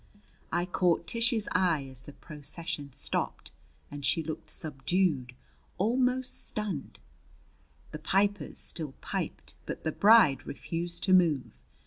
I caught Tish's eye as the procession stopped, and she looked subdued almost stunned. The pipers still piped. But the bride refused to move.